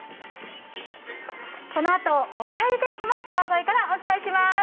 このあと、おかえり天気も川越からお伝えします。